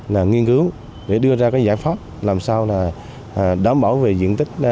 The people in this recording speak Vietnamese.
nghiên cứu để đưa ra giải pháp làm sao đảm bảo về diện tích